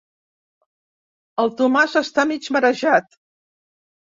El Tomàs està mig marejat.